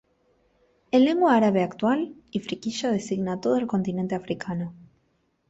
En lengua árabe actual, Ifriqiya designa a todo el continente africano.